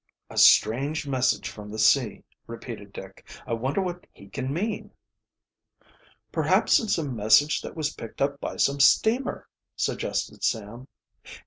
"A strange message from the sea," repeated Dick. "I wonder what he can mean?" "Perhaps it's a message that was picked up by some steamer," suggested Sam.